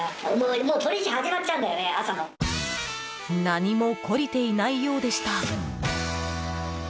何も懲りていないようでした。